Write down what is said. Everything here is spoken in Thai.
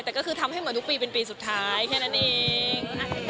แต่ก็คือทำให้เหมือนทุกปีเป็นปีสุดท้ายแค่นั้นเอง